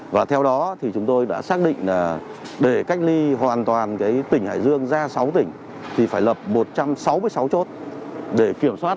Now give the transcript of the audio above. và theo đó thì chúng tôi đã xác định là để cách ly hoàn toàn tỉnh hải dương ra sáu tỉnh thì phải lập một trăm sáu mươi sáu chốt để kiểm soát